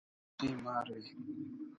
o د مار بچی مار وي٫